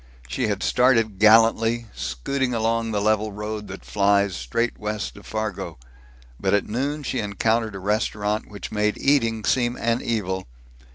She had started gallantly, scooting along the level road that flies straight west of Fargo. But at noon she encountered a restaurant which made eating seem an evil.